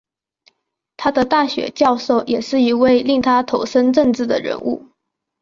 他的大学教授也是一位令他投身政治的人物。